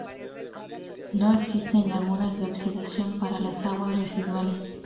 No existen lagunas de oxidación para las aguas residuales.